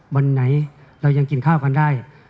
วันไหนเรายังกินข้าวกันได้